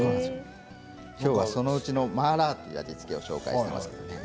きょうはそのうちのマーラーという味付けをご紹介しています。